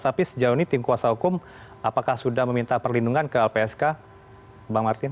tapi sejauh ini tim kuasa hukum apakah sudah meminta perlindungan ke lpsk bang martin